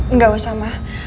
nggak usah ma